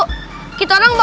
hei poca tungguan